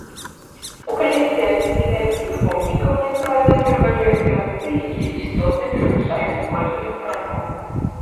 У калекцыях са свідэрскіх помнікаў, як правіла, пераважаюць разцы, якія істотна перавышаюць колькасць скрабкоў.